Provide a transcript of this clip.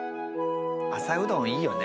朝うどんいいよね。